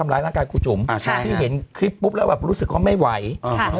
ไม่หอดแล้วคือร้องจริงอยู่ไหม